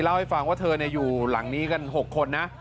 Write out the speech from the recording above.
เล่าให้ฟังว่าเธออยู่หลังนี้กัน๖คนนะ